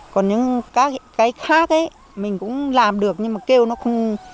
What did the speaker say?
còn những các cái khác ấy mình cũng làm được nhưng mà kêu nó không